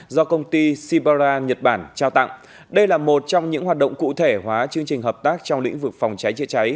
do công ty sibara nhật bản trao tặng đây là một trong những hoạt động cụ thể hóa chương trình hợp tác trong lĩnh vực phòng cháy chữa cháy